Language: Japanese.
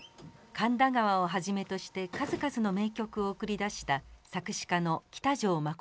「神田川」をはじめとして数々の名曲を送り出した作詞家の喜多條忠さん。